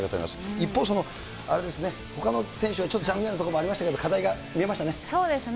一方、あれですね、ほかの選手はちょっと残念なところもありましたけど、課題が見えそうですね。